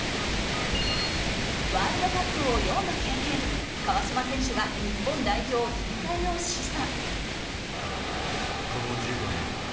ワールドカップを４度経験川島選手が日本代表引退を示唆。